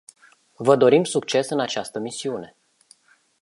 Vă dorim succes în această misiune.